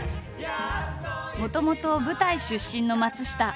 もともと舞台出身の松下。